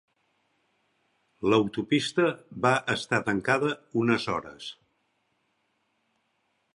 L"autopista va estar tancada unes hores.